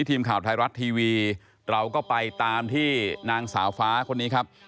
ทีมข่าวไทยรัฐทีวีเราก็ไปตามที่นางสาวฟ้าคนนี้ครับ